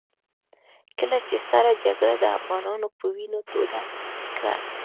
کله چې سړه جګړه د افغانانو په وينو توده کړه.